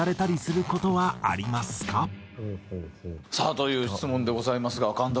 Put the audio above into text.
という質問でございますが監督